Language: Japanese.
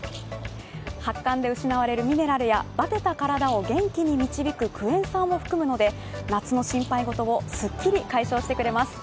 発汗で失われるミネラルやバテた体を元気に導くクエン酸を含むので夏の心配事をすっきり解消してくれます。